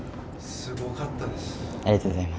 すごかったです。